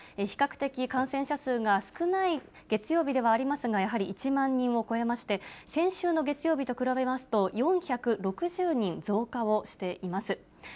比較的感染者数が少ない月曜日ではありますが、やはり１万人を超えまして、先週の月曜日と比べますと、４６０人増加をしています。